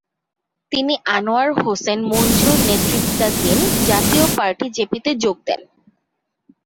তিনি আনোয়ার হোসেন মঞ্জুর নেতৃত্বাধীন জাতীয় পার্টি-জেপিতে যোগ দেন।